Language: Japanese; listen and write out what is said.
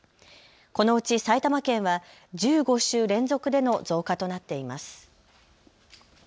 このうち埼玉県は１５週連続での増加となっています。